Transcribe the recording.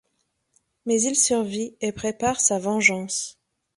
Mais il survit et prépare sa vengeance.